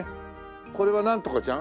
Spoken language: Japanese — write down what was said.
これはなんとかちゃん？